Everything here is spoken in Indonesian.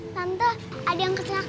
tante ada yang keserakaan